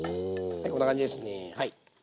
はいこんな感じですね。